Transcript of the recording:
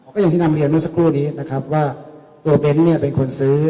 ก็อย่างที่นำเรียนเมื่อสักครู่นี้นะครับว่าตัวเบ้นเนี่ยเป็นคนซื้อ